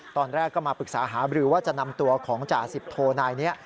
ตอนแรกก็มาปรึกษาหาบรือว่าจะนำตัวของจ่าสิบโทนายนี้